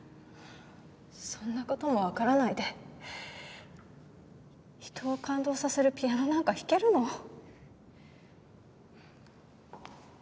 そんな事もわからないで人を感動させるピアノなんか弾けるの？